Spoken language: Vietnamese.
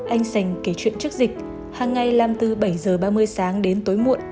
anh sành kể chuyện trước dịch hàng ngày làm từ bảy h ba mươi sáng đến tối muộn